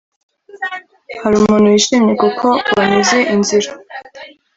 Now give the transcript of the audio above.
hari umuntu wishimye kuko wanyuze inzira